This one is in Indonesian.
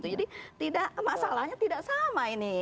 jadi masalahnya tidak sama ini